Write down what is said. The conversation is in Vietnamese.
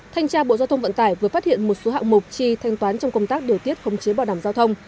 thanh tra bộ giao thông vận tải vừa phát hiện một số hạng mục chi thanh toán trong công tác điều tiết khống chế bảo đảm giao thông